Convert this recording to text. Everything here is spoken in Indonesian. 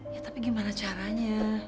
ya tapi gimana caranya